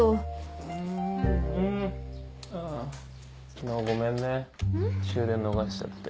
昨日ごめんね終電逃しちゃって。